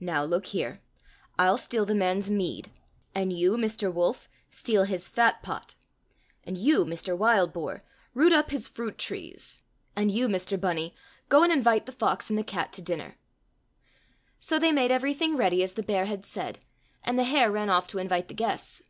Now, look here ! I'll steal the man's mead ; and you, Mr Wolf, steal his fat pot ; and you, Mr Wildboar, root up his fruit trees ; and 133 COSSACK FAIRY TALES you, Mr Bunny, go and invite the fox and the cat to dinner." So they made everything ready as the bear had said, and the hare ran off to invite the guests.